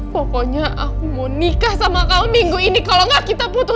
pokoknya aku mau nikah sama kamu minggu ini kalau nggak kita putus